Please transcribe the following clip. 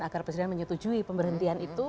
agar presiden menyetujui pemberhentian itu